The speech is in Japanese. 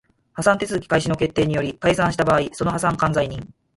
破産手続開始の決定により解散した場合その破産管財人